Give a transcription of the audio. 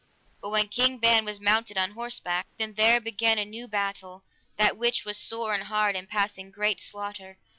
But when King Ban was mounted on horseback, then there began new battle, the which was sore and hard, and passing great slaughter.